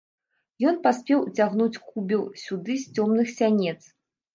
Ён паспеў уцягнуць кубел сюды з цёмных сянец.